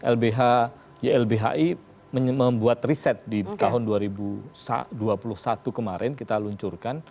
lbh ylbhi membuat riset di tahun dua ribu dua puluh satu kemarin kita luncurkan